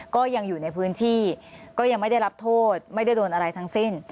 ก็ยังอยู่ในพื้นที่ก็ยังไม่ได้รับโทษไม่ได้โดนอะไรทั้งสิ้น